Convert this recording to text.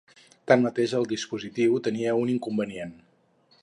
Tanmateix, el dispositiu tenia un inconvenient.